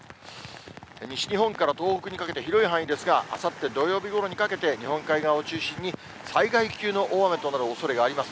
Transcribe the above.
西日本から東北にかけて、広い範囲ですが、あさって土曜日ごろにかけて、日本海側を中心に、災害級の大雨となるおそれがあります。